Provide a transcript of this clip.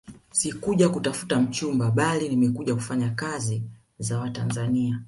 Sikuja kutafuta mchumba bali nimekuja kufanya kazi za Watanzania